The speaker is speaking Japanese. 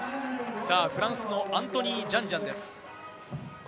フランスのアントニー・ジャンジャンです。